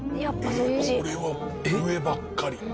えっこれは上ばっかり。